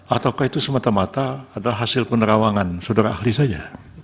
ataukah itu semata mata adalah hasil penerawangan saudara ahli saja